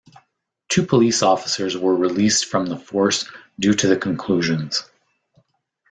Two police officers were released from the force due to the conclusions.